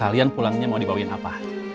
kalian pulangnya mau dibawain apa